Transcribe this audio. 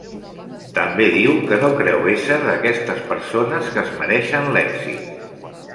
També diu que no creu ésser d'aquestes persones que es mereixen l'èxit.